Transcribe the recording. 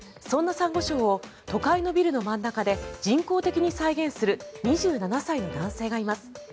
そんなサンゴ礁を都会のビルの真ん中で人工的に再現する２７歳の男性がいます。